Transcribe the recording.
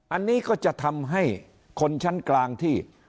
อันนี้ก็จะทำให้คนชั้นกลางที่